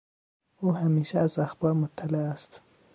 او همیشه از اخبار مطلع است.